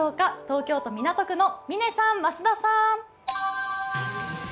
東京都港区の嶺さん、増田さん。